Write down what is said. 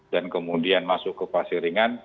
dan kemudian masuk ke fase ringan